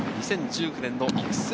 ２０１９年の育成